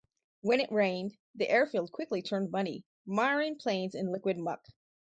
When it rained, the airfield quickly turned muddy, miring planes in liquid muck.